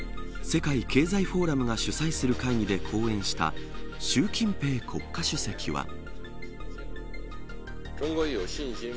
世界経済フォーラムが主催する会議で講演した習近平国家主席は。